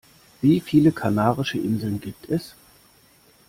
Wie viele Kanarische Inseln gibt es?